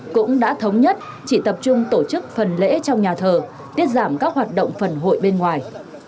cũng đã thống nhất chỉ tập trung tổ chức phần lễ trong nhà thờ tiết giảm các hoạt động phần hội bên ngoài